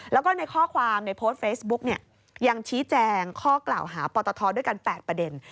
แล้วก็ในข้อความในโพสต์เฟซบุ๊กเนี่ยยังชี้แจงข้อกล่าวหาปตทด้วยกัน๘ประเด็น